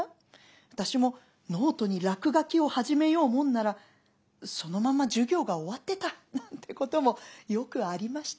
私もノートに落書きを始めようもんならそのまんま授業が終わってたなんてこともよくありました。